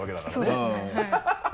そうですねはい。